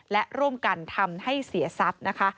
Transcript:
และร่วมกันทำให้เสียทรัพย์นะคะ